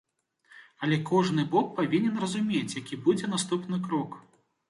Але кожны бок павінен разумець, які будзе наступны крок.